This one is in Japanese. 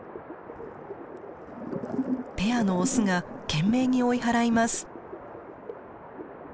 ペアのオスが懸命に追い払います。